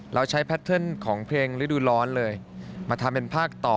เราใช้แพทเทิร์นของเพลงฤดูร้อนเลยมาทำเป็นภาคต่อ